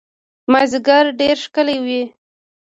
مازیګر ډېر ښکلی وي